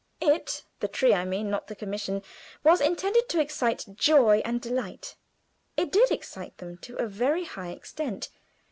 It the tree I mean, not the commission was intended to excite joy and delight, and it did excite them to a very high extent.